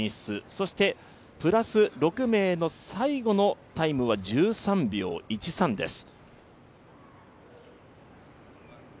そしてプラス６名の最後のタイムは１３秒１３です。